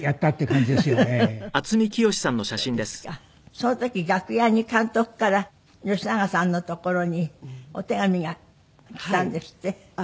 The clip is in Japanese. その時楽屋に監督から吉永さんのところにお手紙がきたんですって？